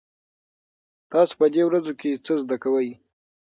تاسو په دې ورځو کې څه زده کوئ؟